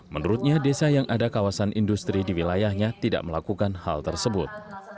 menurutnya desa yang ada kawasan industri di wilayahnya tidak melakukan hal tersebut